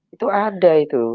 itu ada itu